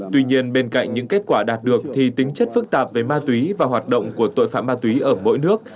tuy nhiên bên cạnh những kết quả đạt được thì tính chất phức tạp về ma túy và hoạt động của tội phạm ma túy ở mỗi nước